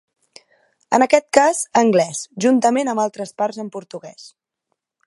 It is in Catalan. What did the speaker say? En aquest cas, anglès, juntament amb altres parts en portuguès.